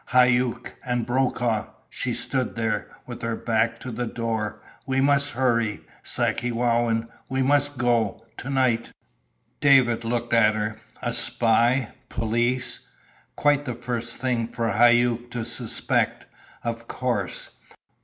"Hauck and Brokaw!" She stood there, with her back to the door. "We must hurry, Sakewawin. We must go to night!" David looked at her. A spy? Police? Quite the first thing for Hauck to suspect, of course.